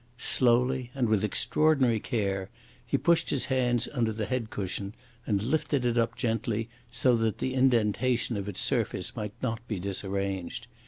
Slowly, and with extraordinary care, he pushed his hands under the head cushion and lifted it up gently, so that the indentations of its surface might not be disarranged.